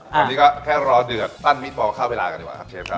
สำหรับนี่ก็แค่รอเดือดปั้นมีทบอลเข้าไปร้านกันดีกว่าครับเชฟครับ